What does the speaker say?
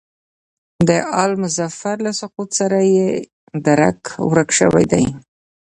د آل مظفر له سقوط سره یې درک ورک شوی دی.